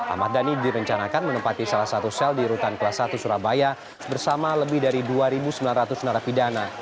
ahmad dhani direncanakan menempati salah satu sel di rutan kelas satu surabaya bersama lebih dari dua sembilan ratus narapidana